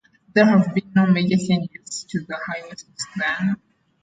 There have been no major changes to the highway since then.